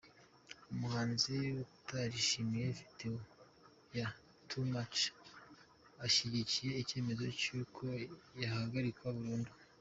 Umuhanzi, utarishimiye video ya tu machi ashyigikiye icyemezo cy’uko yahagararikwa burundu.